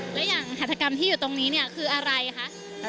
และอย่างหัตถกรรมที่อยู่ตรงนี้เนี่ยคืออะไรคะ